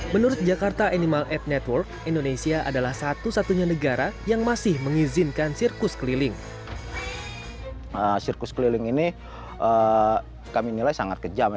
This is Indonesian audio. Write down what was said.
menurut jakarta animal aid network indonesia adalah satu satunya negara yang masih mengizinkan sirkus keliling